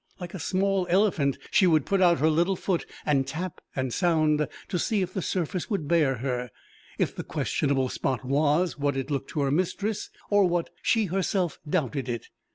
Like a small elephant, she would put out her little foot, and tap, and sound, to see if the surface would bear her if the questionable spot was what it looked to her mistress, or what she herself doubted it.